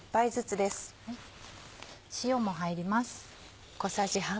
塩も入ります。